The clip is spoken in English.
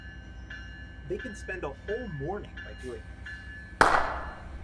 They can spend a whole morning by doing this.